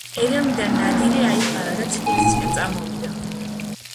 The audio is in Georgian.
ერევნიდან ნადირი აიყარა და თბილისისკენ წამოვიდა.